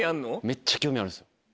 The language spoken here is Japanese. めっちゃ興味あるんですよ